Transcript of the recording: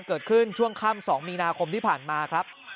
เกิดขึ้นช่วงค่ำ๒มีนาคมที่ผ่านมาครับ